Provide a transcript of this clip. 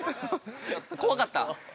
怖かった？